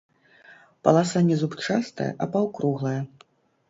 Паласа не зубчастая, а паўкруглая.